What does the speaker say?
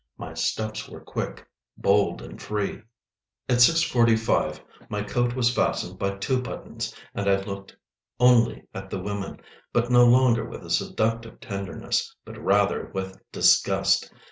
My steps were quick, bold and free. At 6:45 my coat was fastened by two buttons, and I looked only at the women, but no longer with a seductive tenderness, but rather with disgust.